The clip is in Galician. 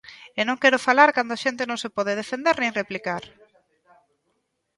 E non quero falar cando a xente non se pode defender nin replicar.